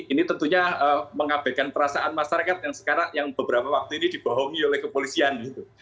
ini tentunya mengabaikan perasaan masyarakat yang sekarang yang beberapa waktu ini dibohongi oleh kepolisian gitu